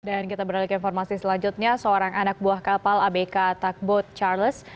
dan kita beralih ke informasi selanjutnya seorang anak buah kapal abk takbot charles